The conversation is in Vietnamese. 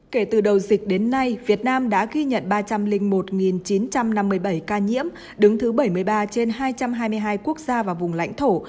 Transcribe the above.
kể từ đầu dịch đến nay việt nam đã ghi nhận ba trăm linh một chín trăm năm mươi bảy ca nhiễm đứng thứ bảy mươi ba trên hai trăm hai mươi hai quốc gia và vùng lãnh thổ